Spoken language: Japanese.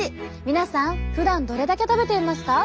皆さんふだんどれだけ食べていますか？